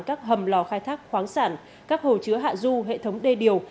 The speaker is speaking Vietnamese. các hầm lò khai thác khoáng sản các hồ chứa hạ du hệ thống đê điều